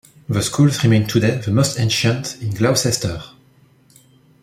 The school remains today the most ancient in Gloucester.